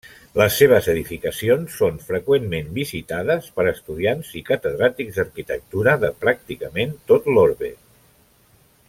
Les seves edificacions són freqüentment visitades per estudiants i catedràtics d'arquitectura de pràcticament tot l'orbe.